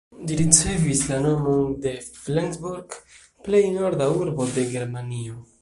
Ĝi ricevis la nomon de Flensburg, plej norda urbo de Germanio.